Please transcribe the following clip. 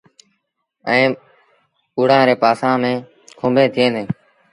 ائيٚݩ ٻوڙآن ري پاسآݩ ميݩ کونڀيٚن ٿئيٚݩ ديٚݩ۔